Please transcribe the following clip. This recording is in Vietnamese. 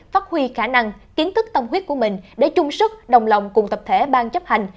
phát huy khả năng kiến thức tâm huyết của mình để chung sức đồng lòng cùng tập thể ban chấp hành